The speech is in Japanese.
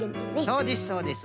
そうですそうです。